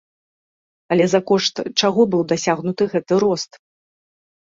Але за кошт чаго быў дасягнуты гэты рост?